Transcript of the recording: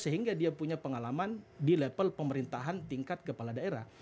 sehingga dia punya pengalaman di level pemerintahan tingkat kepala daerah